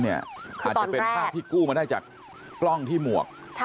อาจจะเป็นภาพที่กู้มาได้จากกล้องที่หมวก